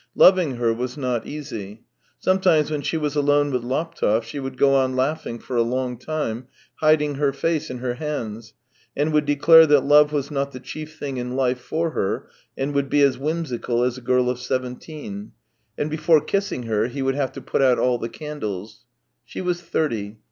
Loving her was not easy. Sometimes when she was alone with Laptev she would go on laughing for a long time, hiding her face in her hands, and would declare that love was not the chief thing in life for her, and would be as whimsical as a girl of seventeen ; and before kissing her he would have to put out all the candles. She was thirty.